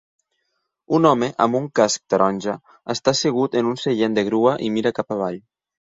Un home amb un casc taronja està assegut en un seient de grua i mira cap avall.